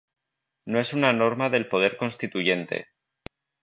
No es una norma del poder constituyente.